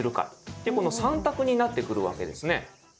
この３択になってくるわけですね。